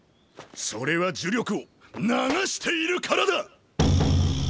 それは呪力を流しているからだ！